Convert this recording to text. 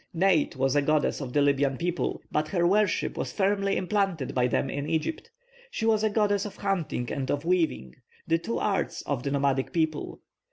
+Neit+ was a goddess of the Libyan people; but her worship was firmly implanted by them in Egypt. She was a goddess of hunting and of weaving, the two arts of a nomadic people.